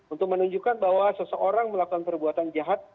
untuk menunjukkan bahwa seseorang melakukan perbuatan jahat